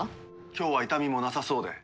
今日は痛みもなさそうで。